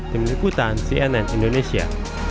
demikian cnn indonesia